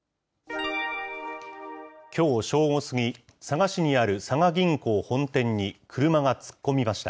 きょう正午過ぎ、佐賀市にある佐賀銀行本店に、車が突っ込みました。